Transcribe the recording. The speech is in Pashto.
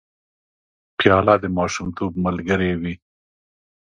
پیاله د ماشومتوب ملګرې وي.